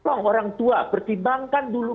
orang tua pertimbangkan dulu